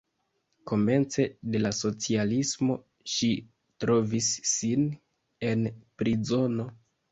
Komence de la socialismo ŝi trovis sin en prizono.